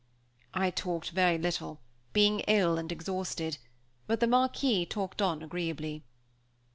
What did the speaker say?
I talked very little, being ill and exhausted, but the Marquis talked on agreeably.